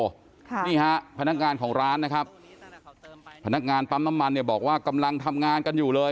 ค่ะนี่ฮะพนักงานของร้านนะครับพนักงานปั๊มน้ำมันเนี่ยบอกว่ากำลังทำงานกันอยู่เลย